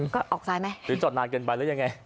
ก็ออกซ้ายไหมหรือจอดนานเกินไปแล้วยังไง